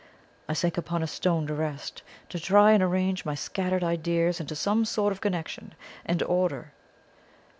I sank upon a stone to rest, to try and arrange my scattered ideas into some sort of connection and order.